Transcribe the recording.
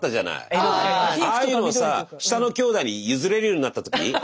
ああいうのをさ下のきょうだいに譲れるようになった時。